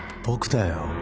僕だよ。